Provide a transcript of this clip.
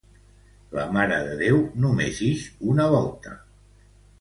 La Mare de Déu només ix una volta.